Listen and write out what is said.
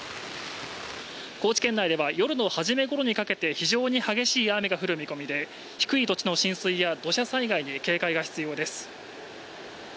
高知県内では夜のはじめごろにかけて、非常に激しい雨が降る見込みで低い土地の浸水や土砂災害に警戒が必要です。